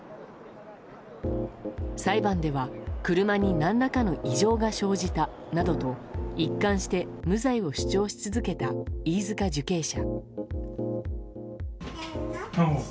裁判では、車に何らかの異常が生じたなどと一貫して無罪を主張し続けた飯塚受刑者。